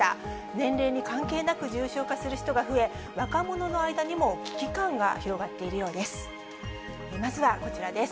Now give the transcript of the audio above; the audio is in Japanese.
年齢に関係なく重症化する人が増え、若者の間にも危機感が広がっているようです。